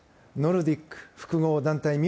ノルディック複合団体